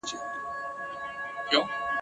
محکمې ته یې مېرمن کړه را حضوره ..